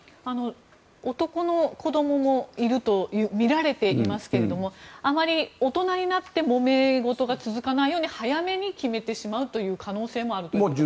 男の子供もいるとみられていますけれどもあまり大人になってもめ事が続かないように早めに決めてしまうという可能性もあるんですか。